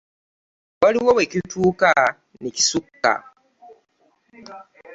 Waliwo we kituuka ne kisukka.